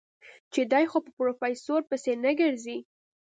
چې دی خو به په پروفيسر پسې نه ګرځي.